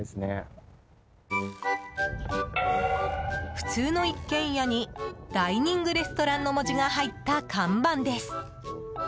普通の一軒家に「ダイニングレストラン」の文字が入った看板です。